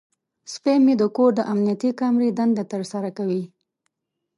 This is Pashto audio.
سپی مې د کور د امنیتي کامرې دنده ترسره کوي.